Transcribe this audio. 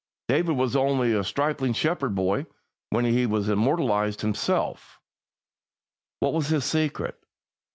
David was only a stripling shepherd boy when he immortalised himself. What was his secret?